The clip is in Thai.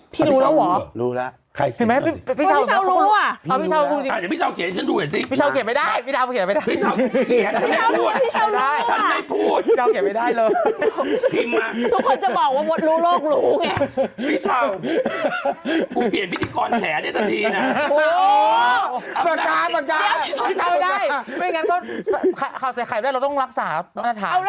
พี่รู้แล้วเหรอที่เฉาอ่ะรู้ละค่ะพี่เฉาดูจริงเห็นไหม